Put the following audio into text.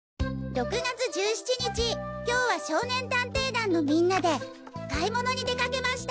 「６月１７日今日は少年探偵団のみんなで買い物に出かけました。